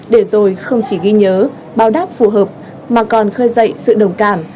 để rồi không chỉ ghi nhớ bao đáp phù hợp mà còn khơi dậy sự đồng cảm